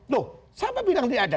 loh siapa bilang dia ada